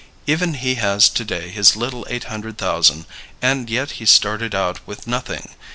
Even he has to day his little eight hundred thousand, and yet he started out with nothing.